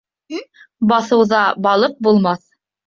Баҫыуҙа балыҡ булмаҫ.